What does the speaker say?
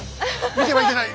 見てはいけない！